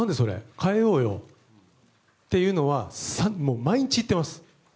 変えようよというのは毎日言ってます。